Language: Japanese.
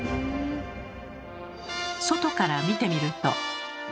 外から見てみると。